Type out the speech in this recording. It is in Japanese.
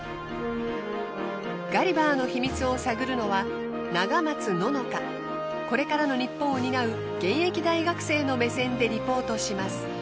ガリバーの秘密を探るのはこれからの日本を担う現役大学生の目線でリポートします。